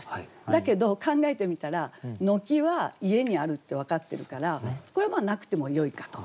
だけど考えてみたら「軒」は家にあるって分かってるからこれなくてもよいかと。